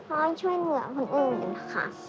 เพราะช่วยเหลือคนอื่นค่ะ